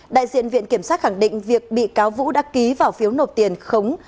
đại diện viện kiểm sát khẳng định việc bị cáo vũ đã ký vào phiếu nộp tiền khống